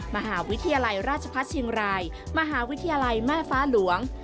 มหาวิทยาลัยราชพัฒน์เชียงรายมหาวิทยาลัยแม่ฟ้าหลวง